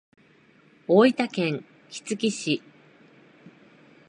大分県杵築市